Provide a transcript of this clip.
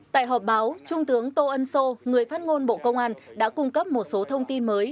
tại họp báo trung tướng tô ân sô người phát ngôn bộ công an đã cung cấp một số thông tin mới